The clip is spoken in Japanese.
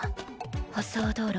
舗装道路